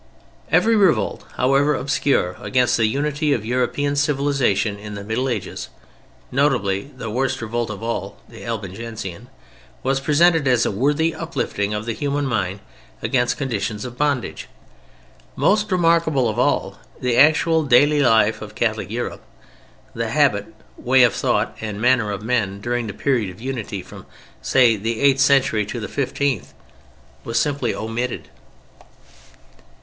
Every revolt, however obscure, against the unity of European civilization in the Middle Ages (notably the worst revolt of all, the Albigensian), was presented as a worthy uplifting of the human mind against conditions of bondage. Most remarkable of all, the actual daily life of Catholic Europe, the habit, way of thought and manner of men, during the period of unity—from, say, the eighth century to the fifteenth—was simply omitted!